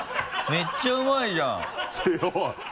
めっちゃうまいじゃん。